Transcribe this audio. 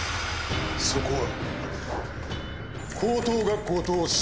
そこは。